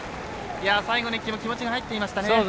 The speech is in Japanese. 最後も気持ちが入っていましたね。